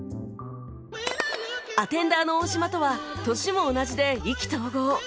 アテンダーの大島とは年も同じで意気投合